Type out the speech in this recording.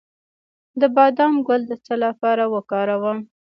د بادام ګل د څه لپاره وکاروم؟